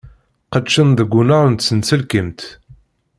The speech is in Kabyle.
Qedcen deg unnar n tsenselkimt.